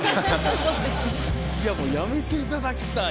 いやもうやめていただきたい。